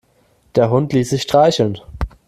Der Hund ließ sich streicheln.